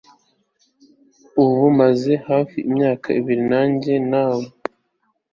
Ubu amaze hafi imyaka ibiri ajyana na we